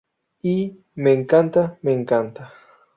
Y, me encanta, me encanta.